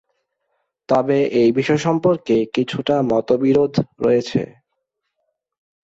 তবে এই বিষয় সম্পর্কে কিছুটা মতবিরোধ রয়েছে।